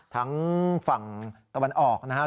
ทั้งฝั่งตะวันออกนะครับ